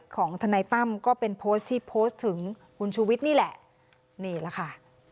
ก็เป็นโพสต์ที่โพสต์ถึงหุ่นชุวิตนี่แหละนี่แหละค่ะ